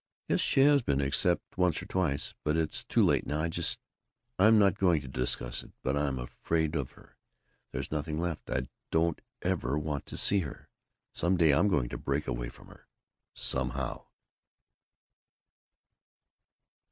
"Yes, she has been, except once or twice. But it's too late now. I just I'm not going to discuss it, but I'm afraid of her. There's nothing left. I don't ever want to see her. Some day I'm going to break away from her. Somehow."